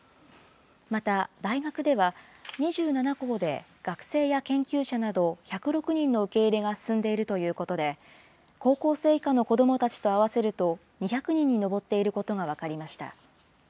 また、大学では、２７校で学生や研究者など１０６人の受け入れが進んでいるということで、高校生以下の子どもたちと合わせると２００人に上っていることが分かりました。